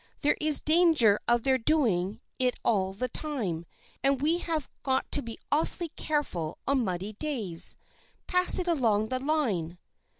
There is danger of their doing it all the time, and we have got to be awfully careful on muddy days. Pass it along the line."